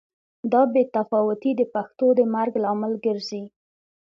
دا بې تفاوتي د پښتو د مرګ لامل ګرځي.